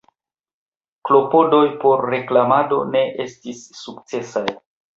Klopodoj por reklamado ne estis sukcesaj.